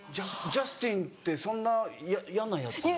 ジャスティンってそんな嫌なヤツなの？